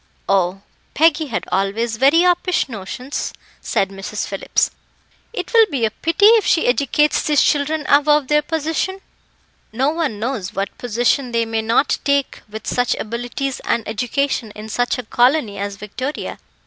"Oh! Peggy had always very uppish notions," said Mrs. Phillips, "it will be a pity if she educates these children above their position." "No one knows what position they may not take with such abilities and education in such a colony as Victoria.